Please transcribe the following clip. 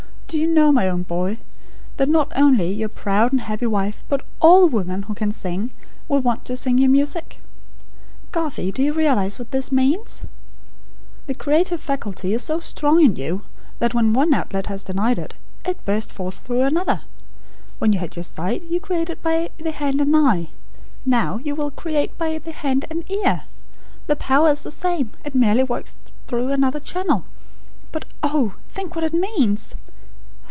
Do you know, my own boy, that not only your proud and happy wife, but ALL women who can sing, will want to sing your music? Garthie, do you realise what it means? The creative faculty is so strong in you, that when one outlet was denied it, it burst forth through another. When you had your sight, you created by the hand and EYE. Now, you will create by the hand and EAR. The power is the same. It merely works through another channel. But oh, think what it means!